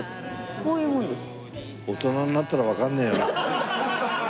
こういうもんです。